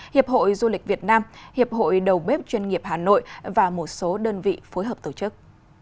hiệp hội du lịch việt nam hiệp hội đầu bếp chuyên nghiệp hà nội và một số đơn vị phối hợp tổ chức